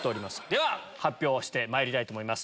では発表してまいりたいと思います。